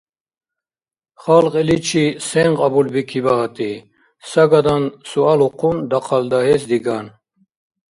Халкь иличи сен кьабулбикиба, гьатӏи? – сагадан суалухъун дахъал дагьес диган.